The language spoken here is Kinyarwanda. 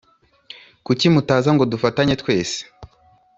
Kuki mutaza ngo dufatanye twese